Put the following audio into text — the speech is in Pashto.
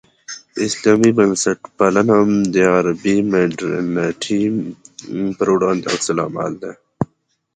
اسلامي بنسټپالنه د غربي مډرنیتې پر وړاندې عکس العمل دی.